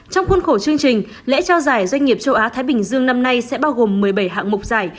trong khuôn khổ chương trình lễ trao giải doanh nghiệp châu á thái bình dương năm nay sẽ bao gồm một mươi bảy hạng mục giải